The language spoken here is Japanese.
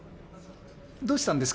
どうしたんですか？